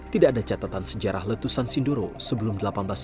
tidak ada catatan sejarah letusan sindoro sebelum seribu delapan ratus tujuh puluh